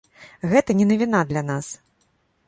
Гэта не навіна для нас.